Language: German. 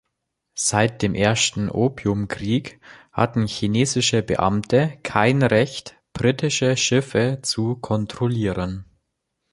Seit dem Ersten Opiumkrieg hatten chinesische Beamte kein Recht, britische Schiffe zu kontrollieren.